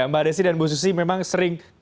mbak desi dan bu susi memang sering